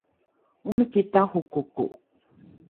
omiki tarokoko